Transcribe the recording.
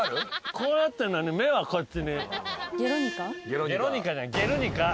こうなってるのに目はこっちに。